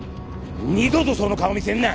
二度とその顔見せんな。